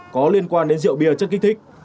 có liên quan đến rượu bia chất kích thích